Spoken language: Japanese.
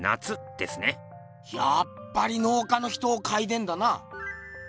やっぱり農家の人を描いてんだな。